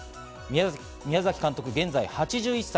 宮崎監督、現在８１歳。